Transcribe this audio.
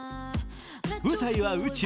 舞台は宇宙。